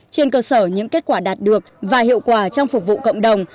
trên cơ sở những kết quả đạt được và hiệu quả trong phục vụ cộng đồng